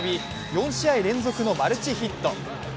４試合連続のマルチヒット。